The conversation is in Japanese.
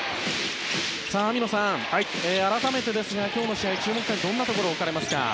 網野さん、改めてですが今日の試合の注目点はどんなところに置かれますか。